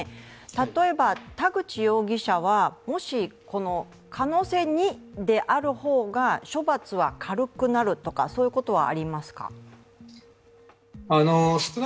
例えば、田口容疑者は、もし可能性２である方が処罰は軽くなることはありますか？